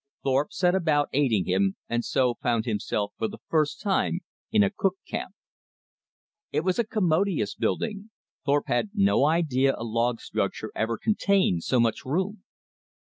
Thorpe set about aiding him, and so found himself for the first time in a "cook camp." It was a commodious building, Thorpe had no idea a log structure ever contained so much room.